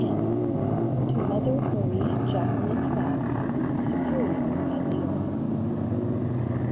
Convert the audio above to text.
X. _To Mother Marie Jacqueline Favre, Superior at Lyons.